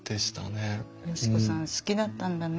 嘉子さん好きだったんだね